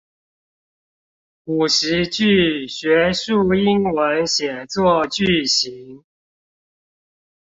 五十句學術英文寫作句型